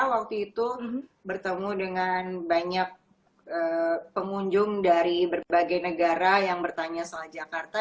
waktu itu bertemu dengan banyak pengunjung dari berbagai negara yang bertanya soal jakarta